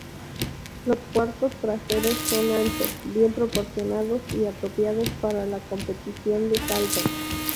Los cuartos traseros son anchos, bien proporcionados y apropiados para la competición de salto.